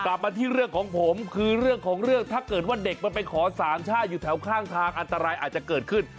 กลับมาที่เรื่องของผมคือเรื่องของเรื่องถ้าเกิดว่าเด็กมันไปขอสามชาติอยู่แถวข้างทางอันตรายอาจจะเกิดขึ้น